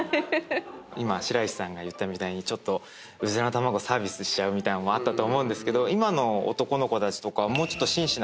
今白石さんが言ったみたいにちょっとうずらの卵サービスしちゃうみたいなのもあったと思うんですけど。